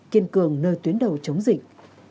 kiên cường nơi tuyến đầu chống dịch